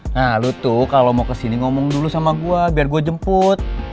nah lu tuh kalau mau kesini ngomong dulu sama gue biar gue jemput